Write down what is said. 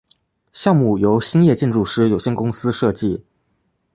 项目由兴业建筑师有限公司设计。